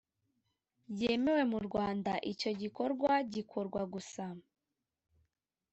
Yemewe mu rwanda icyo gikorwa gikorwa gusa